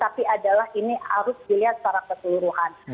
tapi adalah ini harus dilihat secara keseluruhan